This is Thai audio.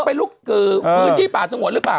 ไปลุกพื้นที่ป่าสงวนหรือเปล่า